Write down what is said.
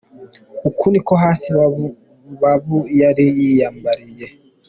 Uku niko hasi Babu yari yiyambariye.